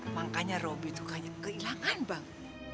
makanya robi tuh kayaknya keilangan bang